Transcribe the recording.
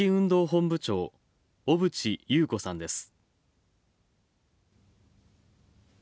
本部長小渕優子さんです。